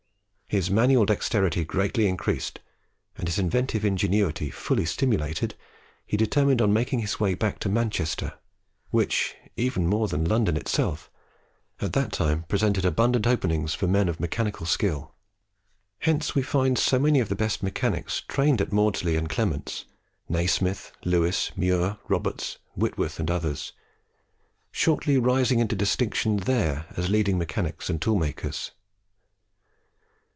His manual dexterity greatly increased, and his inventive ingenuity fully stimulated, he determined on making his way back to Manchester, which, even more than London itself, at that time presented abundant openings for men of mechanical skill. Hence we find so many of the best mechanics trained at Maudslay's and Clement's Nasmyth, Lewis, Muir, Roberts, Whitworth, and others shortly rising into distinction there as leading mechanicians and tool makers.